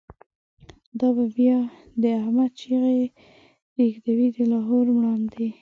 دا به بیا د« احمد» چیغی، ریږدوی د لاهور مړاندی